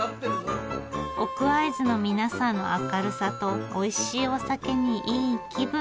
奥会津の皆さんの明るさとおいしいお酒にいい気分。